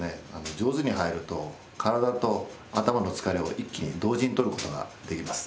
上手に入ると体と頭の疲れを一気に同時にとることができます。